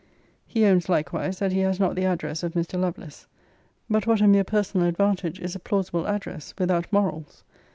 He owns likewise that he has not the address of Mr. Lovelace: but what a mere personal advantage is a plausible address, without morals?